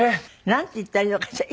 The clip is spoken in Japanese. なんて言ったらいいのかしら？